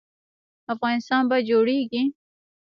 افغانستان به جوړیږي؟